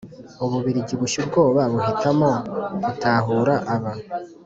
u bubiligi bushya ubwoba buhitamo gutahura aba